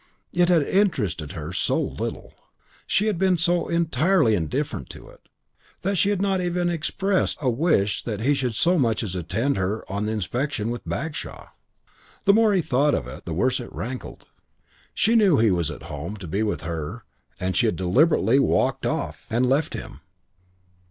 It had interested her so little, she had been so entirely indifferent to it, that she had not even expressed a wish he should so much as attend her on the inspection with Bagshaw. The more he thought of it the worse it rankled. She knew he was at home to be with her and she had deliberately walked off and left him....